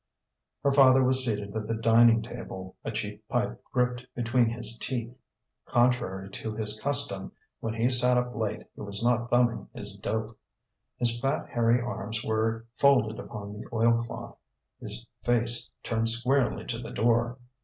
Her father was seated at the dining table, a cheap pipe gripped between his teeth. Contrary to his custom, when he sat up late, he was not thumbing his dope. His fat, hairy arms were folded upon the oilcloth, his face turned squarely to the door.